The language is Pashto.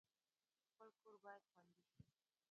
خپل کور باید خوندي شي